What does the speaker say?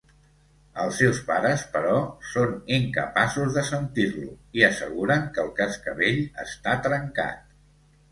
Els seus pares, però, són incapaços de sentir-lo i asseguren que el cascavell està trencat.